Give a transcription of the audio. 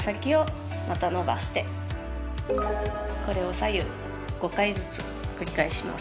これを左右５回ずつ繰り返します。